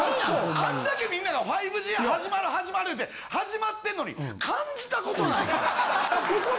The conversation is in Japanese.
あんだけみんなが５Ｇ始まる始まる言うて始まってんのに感じた事ないで。